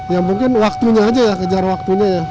ya mungkin waktunya aja ya kejar waktunya ya